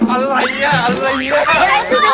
อะไรอ่ะ